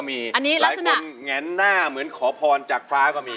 ไม่ค่อยมั่นใจ